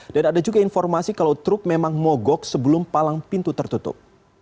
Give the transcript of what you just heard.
dan ada juga informasi kalau truk memang mogok sebelum palang pintu tertutup